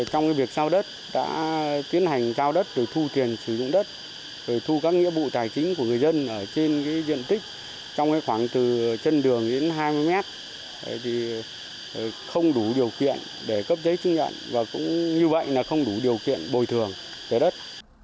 trong việc giao đất đã tiến hành giao đất rồi thu tiền sử dụng đất rồi thu các nghĩa vụ tài chính của người dân ở trên diện tích trong khoảng từ trên đường đến hai mươi mét thì không đủ điều kiện để cấp giấy chứng nhận và cũng như vậy là không đủ điều kiện bồi thường về đất